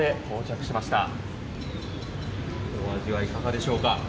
お味はいかがでしょうか。